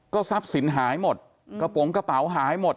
ทรัพย์สินหายหมดกระโปรงกระเป๋าหายหมด